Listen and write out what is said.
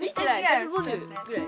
１５０ぐらい。